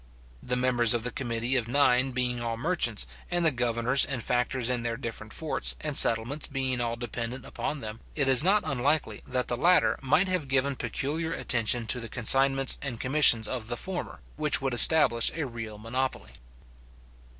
The members of the committee of nine being all merchants, and the governors and factors in their different forts and settlements being all dependent upon them, it is not unlikely that the latter might have given peculiar attention to the consignments and commissions of the former, which would establish a real monopoly.